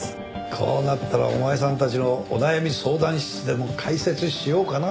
こうなったらお前さんたちのお悩み相談室でも開設しようかな。